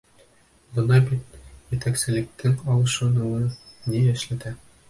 Бына бит етәкселектең алышыныуы ни эшләтә.